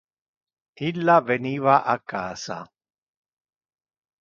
Illa veniva a casa.